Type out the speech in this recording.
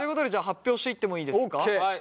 発表していってもいいですか？